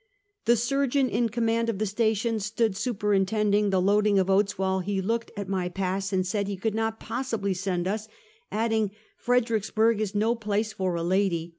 The surgeon in command of the station stood super intending the loading of oats while he looked at my pass, and said he could not possibly send us, adding: " Fredericksburg is no place for a lady.